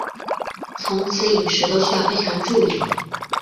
从此饮食都需要非常注意